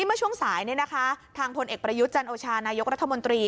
เมื่อช่วงสายทางพลเอกประยุทธ์จันโอชานายกรัฐมนตรี